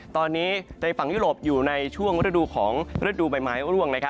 ตอนนี้ในฝั่งยุโรปอยู่ในช่วงฤดูของฤดูใบไม้ร่วง